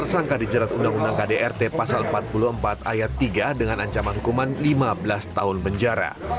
tersangka dijerat undang undang kdrt pasal empat puluh empat ayat tiga dengan ancaman hukuman lima belas tahun penjara